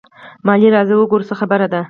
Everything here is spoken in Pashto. مالې راځه وګوره څه خبره ده.